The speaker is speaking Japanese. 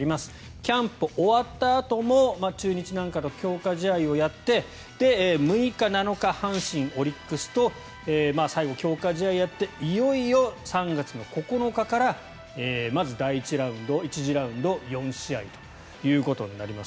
キャンプ終わったあとも中日なんかと強化試合をやって６日、７日阪神、オリックスと最後、強化試合をやっていよいよ３月９日からまず第１ラウンド、１次ラウンド４試合となります。